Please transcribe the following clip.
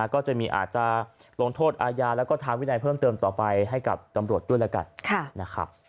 ก็จะมีอาจจะลงโทษอาญาแล้วก็ทางวินัยเพิ่มเติมต่อไปให้กับตำรวจด้วยแล้วกันนะครับ